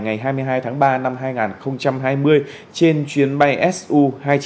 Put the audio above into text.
ngày hai mươi hai tháng ba năm hai nghìn hai mươi trên chuyến bay su hai trăm chín mươi